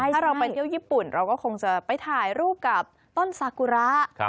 ถ้าเราไปเที่ยวญี่ปุ่นเราก็คงจะไปถ่ายรูปกับต้นสากุระ